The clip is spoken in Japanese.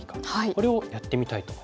これをやってみたいと思います。